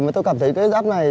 mà tôi cảm thấy cái app này